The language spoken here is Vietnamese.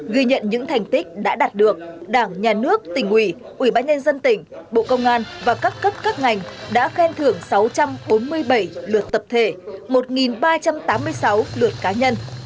ghi nhận những thành tích đã đạt được đảng nhà nước tỉnh ủy ubnd tỉnh bộ công an và các cấp các ngành đã khen thưởng sáu trăm bốn mươi bảy luật tập thể một ba trăm tám mươi sáu luật cá nhân